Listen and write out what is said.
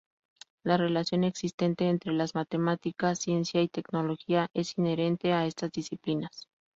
La relación existente entre las Matemáticas, Ciencia y Tecnología es inherente a estas disciplinas.